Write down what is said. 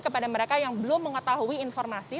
kepada mereka yang belum mengetahui informasi